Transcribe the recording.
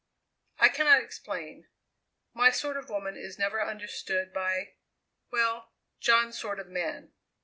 I cannot explain my sort of woman is never understood by well, John's sort of man.